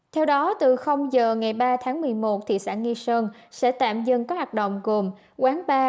theo đó từ giờ ngày ba tháng một mươi một thị xã nghi sơn sẽ tạm dừng các hoạt động gồm quán bar